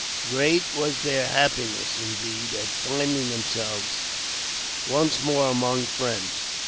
Great was their happiness, indeed, at finding themselves once more among friends.